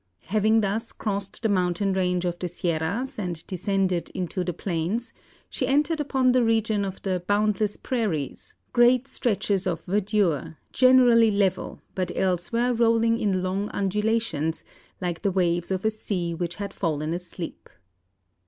Having thus crossed the mountain range of the Sierras and descended into the plains, she entered upon the region of the "boundless prairies great stretches of verdure, generally level, but elsewhere rolling in long undulations, like the waves of a sea which had fallen asleep."